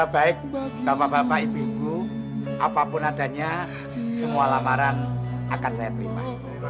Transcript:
baik bapak bapak ibu ibu apapun adanya semua lamaran akan saya terima